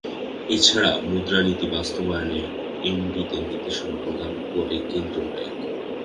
এ ছাড়া মুদ্রানীতি বাস্তবায়নে এমডিদের নির্দেশনা প্রদান করে কেন্দ্রীয় ব্যাংক।